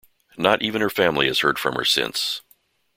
Not even her family has heard from her since.